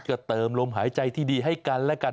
ก็เติมลมหายใจที่ดีให้กันและกัน